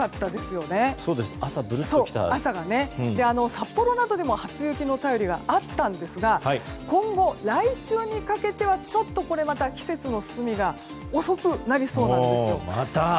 札幌などでも初雪の便りがあったんですが今後、来週にかけてはちょっとまた季節の進みが遅くなりそうなんですよ。